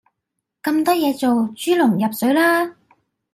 咁多嘢做豬籠入水啦